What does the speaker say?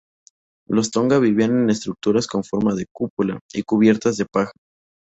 Los tonga vivían en estructuras con forma de cúpula y cubiertas de paja.